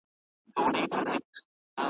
خره هم ورکړې څو لغتي په سینه کي ,